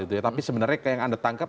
tapi sebenarnya yang anda tangkap